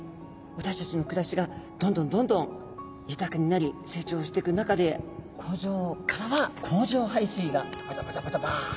私たちの暮らしがどんどんどんどん豊かになり成長していく中で工場からは工場排水がドバドバドバドバ。